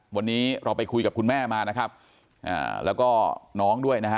วันนี้เราไปคุยกับคุณแม่มานะครับอ่าแล้วก็น้องด้วยนะฮะ